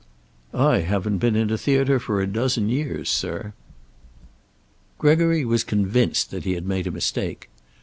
"I haven't been in a theater for a dozen years, sir." Gregory was convinced that he had made a mistake.